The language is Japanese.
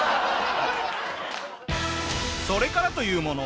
それからというもの